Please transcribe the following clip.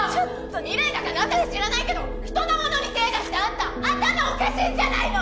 未来だか何だか知らないけど人のものに手出してあんた頭おかしいんじゃないの！？